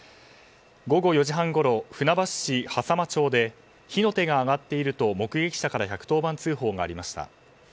午後４時半ごろ船橋市飯山満町で火の手が上がっていると目撃者から１１０番通報がありました。